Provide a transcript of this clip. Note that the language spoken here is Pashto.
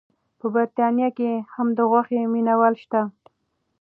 په بریتانیا کې هم د غوښې مینه وال شته.